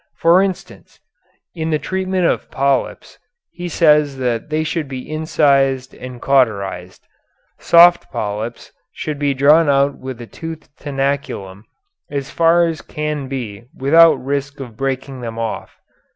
For instance, in the treatment of polyps he says that they should be incised and cauterized. Soft polyps should be drawn out with a toothed tenaculum as far as can be without risk of breaking them off.